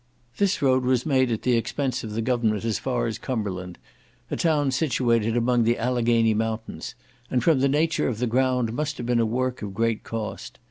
This road was made at the expense of the government as far as Cumberland, a town situated among the Alleghany mountains, and, from the nature of the ground, must have been a work of great cost.